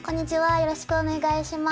よろしくお願いします。